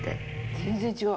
全然違う。